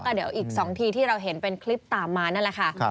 เดี๋ยวอีก๒ทีที่เราเห็นเป็นคลิปตามมานั่นแหละค่ะ